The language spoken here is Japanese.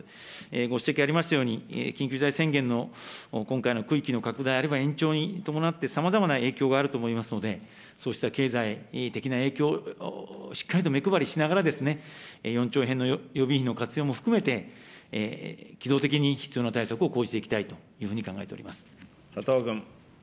ご指摘ありましたように、緊急事態宣言の今回の区域の拡大、あるいは延長に伴って、さまざまな影響があると思いますので、そうした経済的な影響をしっかりと目配りしながら、４兆円の予備費の活用も含めて機動的に必要な対策を講じていきたいというふうに考え佐藤君。